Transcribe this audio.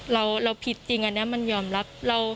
เราผิดจริงอันนี้มันยอมรับ